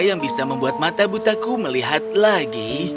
yang bisa membuat mata butaku melihat lagi